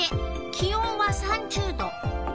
気温は３０℃。